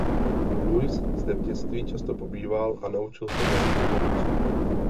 Louis zde v dětství často pobýval a naučil se jazyk domorodců.